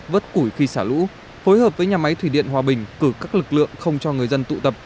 vớt củi khi xả lũ phối hợp với nhà máy thủy điện hòa bình cử các lực lượng không cho người dân tụ tập